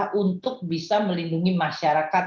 dan pemerintah untuk bisa melindungi masyarakat